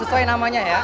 sesuai namanya ya